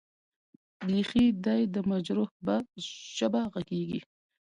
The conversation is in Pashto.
بېخي دې د مجروح به ژبه غږېږې.